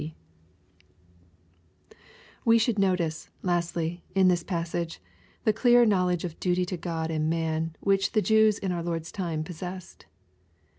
^ T^ We should notice, lastly, in this passage, the dear knowledge of duty to God and man, which the Jews in our Lord's time possessed.